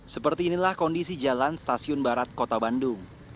seperti inilah kondisi jalan stasiun barat kota bandung